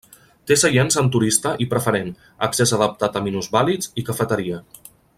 Té seients en turista i preferent, accés adaptat a minusvàlids i cafeteria.